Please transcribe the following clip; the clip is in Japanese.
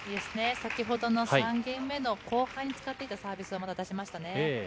先ほどの３ゲーム目の後半に使っていたサービスをまた出しましたね。